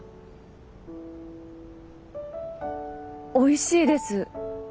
おいしいです。